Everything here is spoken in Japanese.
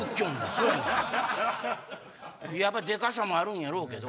でかさもあるんやろうけど。